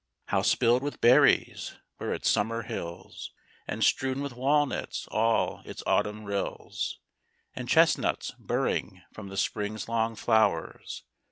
How spilled with berries were its summer hills, And strewn with walnuts all its autumn rills And chestnuts, burring from the spring's long flowers!